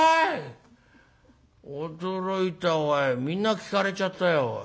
驚いたおいみんな聞かれちゃったよ。